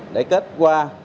để kết hoa